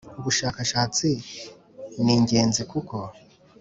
ubushakashatsi n’ingenzi kuko: